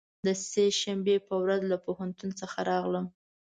د سه شنبې په ورځ له پوهنتون څخه راغلم.